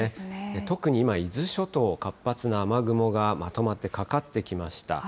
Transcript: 特に今、伊豆諸島、活発な雨雲がまとまってかかってきました。